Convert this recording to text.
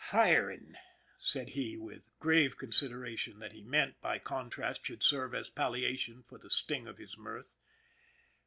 "Firing?" said he, with grave consideration that he meant, by contrast, should serve as palliation for the sting of his mirth.